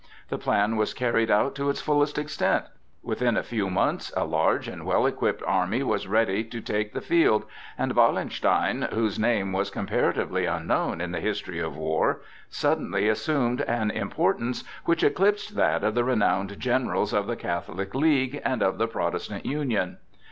The plan was carried out to its fullest extent: within a few months a large and well equipped army was ready to take the field, and Wallenstein, whose name was comparatively unknown in the history of war, suddenly assumed an importance which eclipsed that of the renowned generals of the Catholic League and of the Protestant Union.